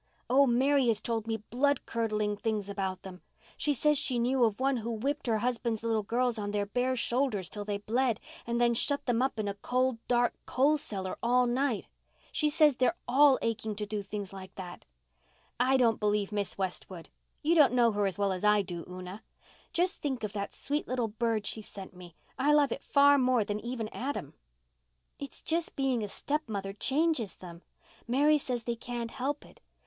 Oh, Mary has told me blood curdling things about them. She says she knew of one who whipped her husband's little girls on their bare shoulders till they bled, and then shut them up in a cold, dark coal cellar all night. She says they're all aching to do things like that." "I don't believe Miss West would. You don't know her as well as I do, Una. Just think of that sweet little bird she sent me. I love it far more even than Adam." "It's just being a stepmother changes them. Mary says they can't help it.